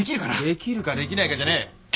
できるかできないかじゃねえ。